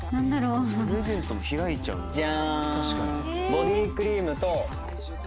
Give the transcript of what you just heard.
プレゼントも開いちゃうんですね。